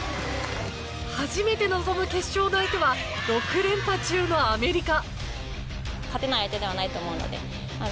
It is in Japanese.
初めて臨む決勝の相手は６連覇中のアメリカ。